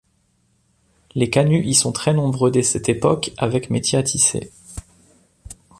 Les canuts y sont très nombreux dès cette époque avec métiers à tisser.